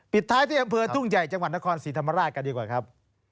ท้ายที่อำเภอทุ่งใหญ่จังหวัดนครศรีธรรมราชกันดีกว่าครับ